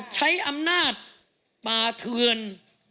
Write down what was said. ใช้อำนาจป่าเทือน